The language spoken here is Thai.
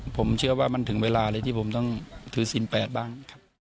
ผมเชื่อว่ามันถึงเวลาเลยที่ผมต้องถือศิลป์บ้างครับ